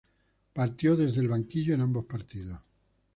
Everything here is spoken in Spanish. Partió desde el banquillo en ambos partidos.